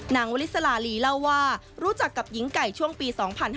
วลิสลาลีเล่าว่ารู้จักกับหญิงไก่ช่วงปี๒๕๕๙